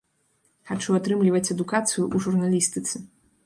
Хачу атрымліваць адукацыю ў журналістыцы.